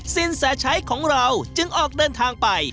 สินแสชัยของเราจึงออกเดินทางไป